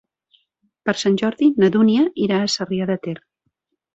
Per Sant Jordi na Dúnia irà a Sarrià de Ter.